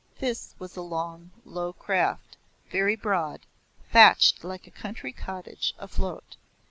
This was a long low craft, very broad, thatched like a country cottage afloat.